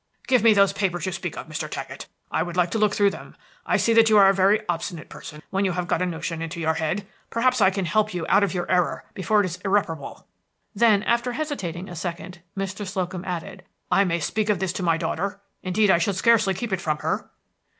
"Give me those papers you speak of, Mr. Taggett. I would like to look through them. I see that you are a very obstinate person when you have once got a notion into your head. Perhaps I can help you out of your error before it is irreparable." Then, after hesitating a second, Mr. Slocum added, "I may speak of this to my daughter? Indeed, I could scarcely keep it from her."